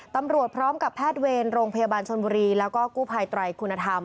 ตำรวจพร้อมกับแพทย์เวรโรงพยาบาลชนบุรีแล้วก็กู้ภัยไตรคุณธรรม